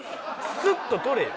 スッと取れよ。